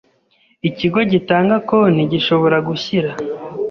Ikigo gitanga konti gishobora gushyira